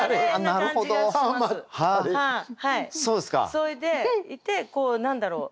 それでいてこう何だろう。